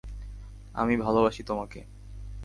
আমি ভালবাসি তোমাকে।